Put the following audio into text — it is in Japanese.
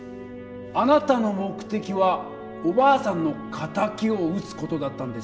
あなたの目的はおばあさんの敵を討つ事だったんですよね？